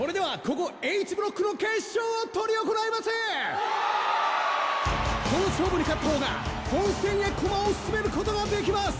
この勝負に勝ったほうが本戦へ駒を進めることができます。